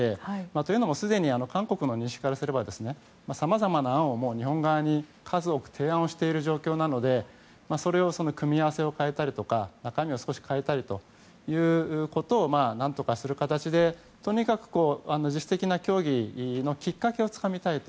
というのも、すでに韓国の認識からすればさまざまな案をもう、日本側に数多く提案している状況なのでその組み合わせを変えたり中身を少し変えたりということを何とかする形で、とにかく実質的な協議のきっかけをつかみたいと。